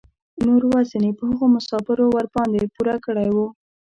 نور وزن یې په هغو مسافرو ورباندې پوره کړی و.